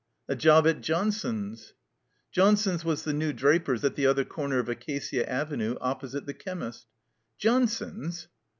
"A job at Johnson's." Johnson's was the new drai)ers at the other comer of Acacia Avenue, opposite the chemist. "Johnson's?"